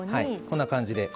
こんな感じで。